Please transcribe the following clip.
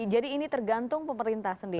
jadi ini tergantung pemerintah sendiri